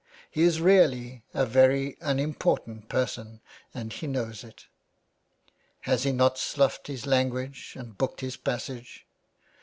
He is really a very unim portant person, and he knows it. Has he not sloughed his language and booked his passage